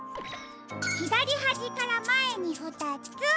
ひだりはじからまえにふたつ。